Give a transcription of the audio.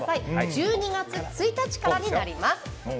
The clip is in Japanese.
１２月１日からになります。